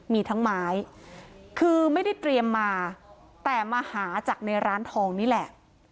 มีทั้งไม้คือไม่ได้เตรียมมาแต่มาหาจากในร้านทองนี่แหละ